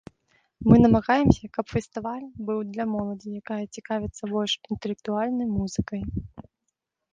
Мы намагаемся, каб фестываль быў для моладзі, якая цікавіцца больш інтэлектуальнай музыкай.